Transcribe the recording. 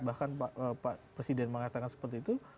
bahkan pak presiden mengatakan seperti itu